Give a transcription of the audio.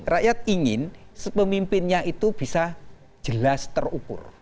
rakyat ingin pemimpinnya itu bisa jelas terukur